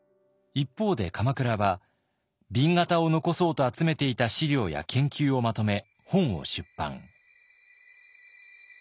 一方で鎌倉は紅型を残そうと集めていた資料や研究をまとめ本を出版。